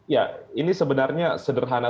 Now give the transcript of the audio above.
ya ini sebenarnya sederhana